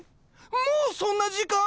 もうそんな時間？